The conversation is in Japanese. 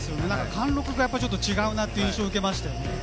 貫禄が違うなという印象を受けましたね。